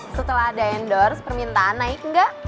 setelah ada endorse permintaan naik nggak